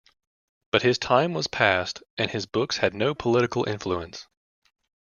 But his time was past, and his books had no political influence.